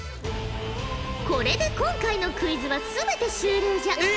これで今回のクイズは全て終了じゃ。え？